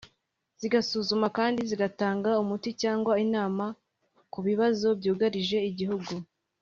zigasuzuma kandi zigatanga umuti cyangwa inama ku bibazo byugarije Igihugu